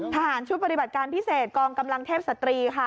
ทหารชุดปฏิบัติการพิเศษกองกำลังเทพศตรีค่ะ